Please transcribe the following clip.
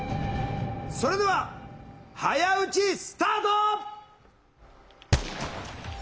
それでは早撃ちスタート！